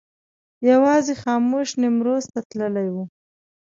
یوازې خاموش نیمروز ته تللی و.